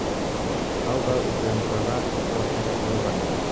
Ал да УКМКга суракка чакырылган.